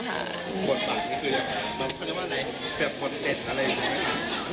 เหมือนคนเด่นอะไร